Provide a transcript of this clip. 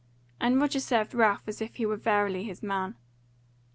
And Roger served Ralph as if he were verily his man.